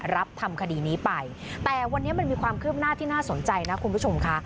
รับทำคดีนี้ไปแต่วันนี้มันมีความคืบหน้าที่น่าสนใจนะคุณผู้ชมค่ะ